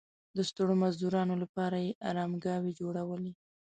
د ستړو مزدورانو لپاره یې ارامګاوې جوړولې.